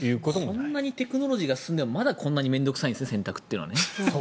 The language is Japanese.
こんなにテクノロジーが進んでもまだこんなに面倒臭いんですね洗濯というのはね。